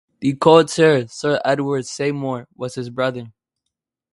The courtier Sir Edward Seymour was his brother.